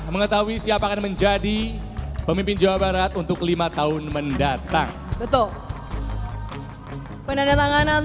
mengetahui siapa akan menjadi pemimpin jawa barat untuk lima tahun mendatang betul penandatanganan